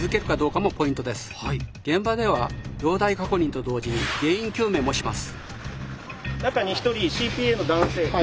現場では容体確認と同時に原因究明もします。